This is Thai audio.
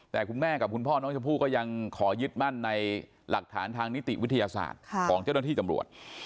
แต่คุณแม่กับคุณพ่อน้องชมพู่ก็ยังขอยึดมั่นในหลักฐานทางนิติวิทยาศาสตร์ของเจ้าหน้าที่ตำรวจ